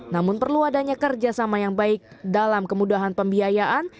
namun perlu adanya kerjasama yang baik dalam kemudahan pembiayaan